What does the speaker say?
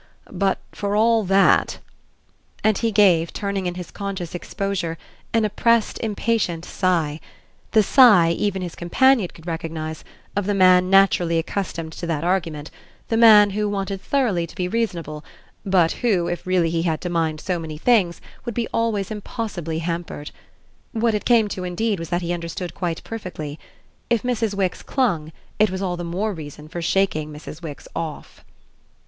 But for all that " And he gave, turning in his conscious exposure, an oppressed impatient sigh; the sigh, even his companion could recognise, of the man naturally accustomed to that argument, the man who wanted thoroughly to be reasonable, but who, if really he had to mind so many things, would be always impossibly hampered. What it came to indeed was that he understood quite perfectly. If Mrs. Wix clung it was all the more reason for shaking Mrs. Wix off.